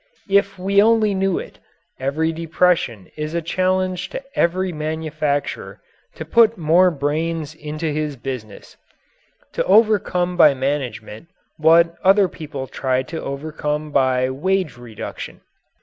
If we only knew it, every depression is a challenge to every manufacturer to put more brains into his business to overcome by management what other people try to overcome by wage reduction.